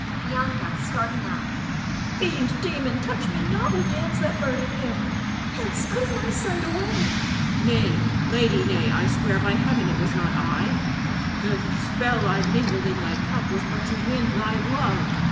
_ Bianca [starting up]. Fiend! demon! touch me not with hands that murdered him! Hence! out of my sight, away! Huon. Nay, lady, nay! I swear by Heaven it was not I. The spell I mingled in thy cup was but to win thy love.